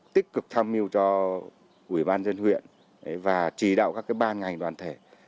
tích cực tham mưu cho ủy ban dân huyện và trì đạo các ban ngành đoàn thể